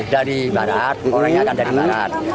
dari barat orangnya ada di barat